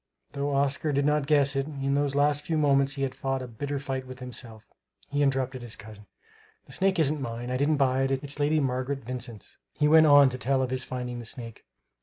Though Oscar did not guess it, in those last few moments he had fought; a bitter fight with himself. He interrupted his cousin: "The snake isn't mine. I didn't buy it. It's Lady Margaret Vincent's." He went on to tell of his finding the snake.